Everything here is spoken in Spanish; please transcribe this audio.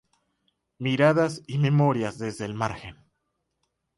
Miradas y memorias desde el margen.